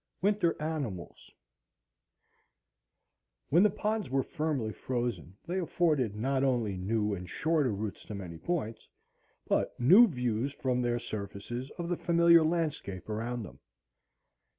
Winter Animals When the ponds were firmly frozen, they afforded not only new and shorter routes to many points, but new views from their surfaces of the familiar landscape around them.